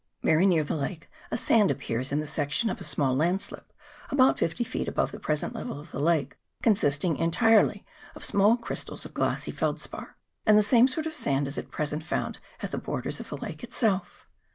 Very near the lake a sand appears in the section of a small landslip about fifty feet above the present level of the lake, consisting entirely .of small crystals of glassy felspar ; and the same sort of sand is at present found at the borders of the lake itself.